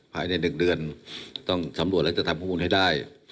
ภายในหนึ่งเดือนต้องสำหรับแล้วจัดทำข้อมูลให้ได้